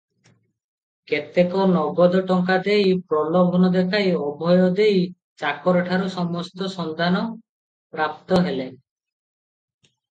କେତେକ ନଗଦ ଟଙ୍କା ଦେଇ ପ୍ରଲୋଭନ ଦେଖାଇ ଅଭୟ ଦେଇ ଚାକରଠାରୁ ସମସ୍ତ ସନ୍ଧାନ ପ୍ରାପ୍ତ ହେଲେ ।